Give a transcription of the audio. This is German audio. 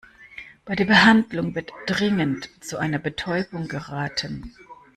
Bei der Behandlung wird dringend zu einer Betäubung geraten.